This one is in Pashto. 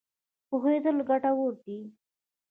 پوهېدل ګټور دی.